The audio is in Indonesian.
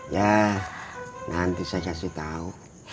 ya nanti saya kasih tahu